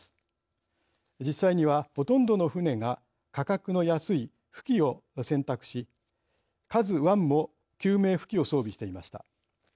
実際にはほとんどの船が価格の安い浮器を選択し「ＫＡＺＵⅠ」も救命浮器を装備していました。